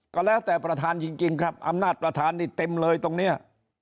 ก็แล้วแต่ประธานจริงครับอำนาจประธานนี่เต็มเลยตรงนี้